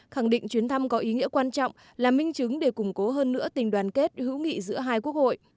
khẳng định chuyến thăm có ý nghĩa quan trọng là minh chứng để củng cố hơn nữa tình đoàn kết hữu nghị giữa hai quốc hội